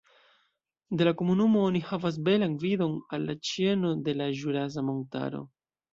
De la komunumo oni havas belan vidon al la ĉeno de la Ĵurasa Montaro.